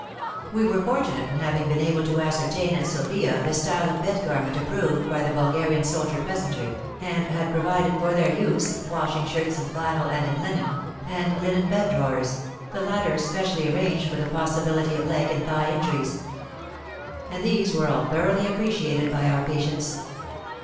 We were fortunate in having been able to ascertain at Sofia the style of bed garment approved by the Bulgarian soldier peasantry, and had provided for their use, washing shirts in flannel and in linen, and linen bed drawers — the latter specially arranged for the possi bility of leg and thigh injuries. And these were all thoroughly appreciated by our patients.